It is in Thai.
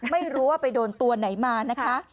ไม่รู้ว่าไปโดนตัวไหนมานะคะ